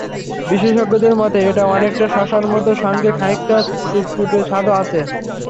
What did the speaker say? বিশেষজ্ঞদের মতে, এটা অনেকটা শসার মতো, সঙ্গে খানিকটা তিতকুটে স্বাদও আছে।